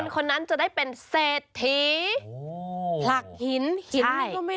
คนนั้นจะได้เป็นเศรษฐี